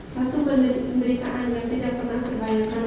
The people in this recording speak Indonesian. satu penderitaan yang tidak pernah terbayangkan